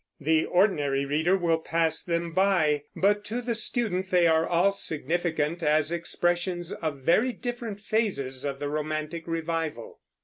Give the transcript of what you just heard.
The ordinary reader will pass them by, but to the student they are all significant as expressions of very different phases of the romantic revival.